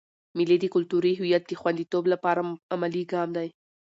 مېلې د کلتوري هویت د خونديتوب له پاره عملي ګام دئ.